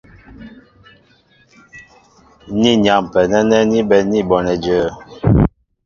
Ni yampɛ nɛ́nɛ́ ní bɛ̌n ní bonɛ jə̄ə̄.